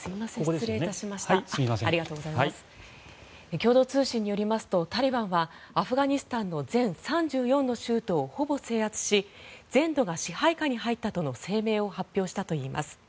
共同通信によりますとタリバンはアフガニスタンの全３４の州都をほぼ制圧し全土が支配下に入ったという声明を発表したといいます。